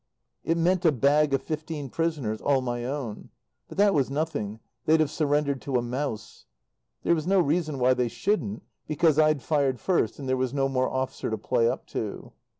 It meant a bag of fifteen prisoners all my own. But that was nothing; they'd have surrendered to a mouse. There was no reason why they shouldn't, because I'd fired first and there was no more officer to play up to.